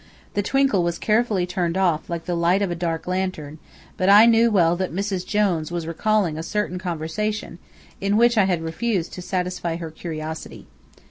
The twinkle was carefully turned off like the light of a dark lantern, but I knew well that "Mrs. Jones" was recalling a certain conversation, in which I had refused to satisfy her curiosity.